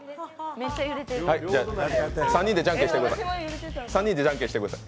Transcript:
じゃあ３人でじゃんけんしてください。